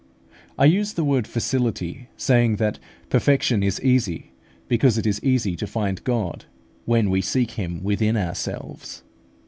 I use the word facility, saying that perfection is easy, because it is easy to find God, when we seek Him within ourselves.